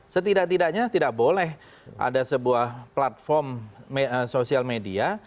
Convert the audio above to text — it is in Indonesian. setidak tidaknya tidak boleh ada sebuah platform sosial media